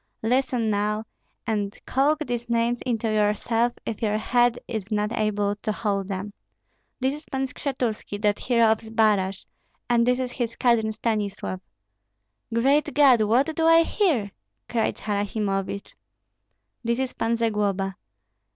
"Listen now, and calk these names into yourself if your head is not able to hold them. This is Pan Skshetuski, that hero of Zbaraj; and this is his cousin Stanislav." "Great God! what do I hear?" cried Harasimovich. "This is Pan Zagloba."